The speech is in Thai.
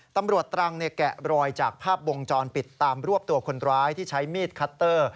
ตรังแกะรอยจากภาพวงจรปิดตามรวบตัวคนร้ายที่ใช้มีดคัตเตอร์